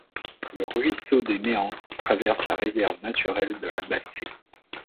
Le ruisseau des Méances traverse la réserve naturelle de la Bassée.